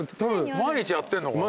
毎日やってんのかな？